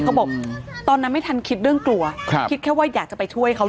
บอกตอนนั้นไม่ทันคิดเรื่องกลัวคิดแค่ว่าอยากจะไปช่วยเขา